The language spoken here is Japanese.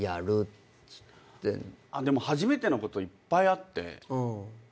でも初めてのこといっぱいあって。